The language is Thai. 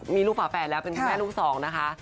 มีลูกฝาแฝดแล้วเป็นคุณแม่ลูกสองนะคะ